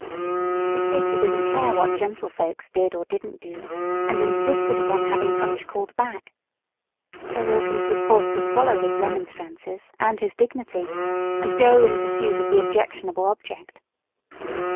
But Katy didn't care what "gentlefolks" did or did not do, and insisted upon having Punch called back. So Wilkins was forced to swallow his remonstrances and his dignity, and go in pursuit of the objectionable object.